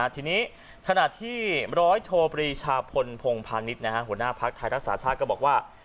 ทีนี้ขณะที่ร้อยโทปรีชาพลพงพาณิชย์หัวหน้าภักดิ์ไทยรักษาชาติก็บอกว่า